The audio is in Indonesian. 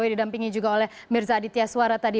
didampingi juga oleh mirza aditya suara tadi